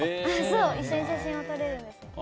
一緒に写真も撮れるんです。